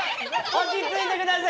落ち着いてください！